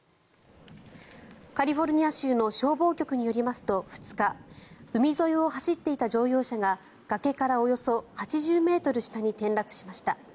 カリフォルニア州の消防局によりますと２日海沿いを走っていた乗用車が崖からおよそ８０ｍ下に転落しました。